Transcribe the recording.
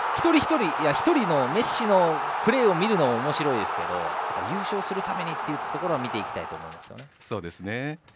１人のメッシのプレーを見るのもおもしろいですけども優勝するためにというところを見ていきたいと思いますよね。